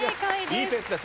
いいペースですよ。